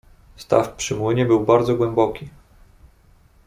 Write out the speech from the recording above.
"Staw przy młynie był bardzo głęboki."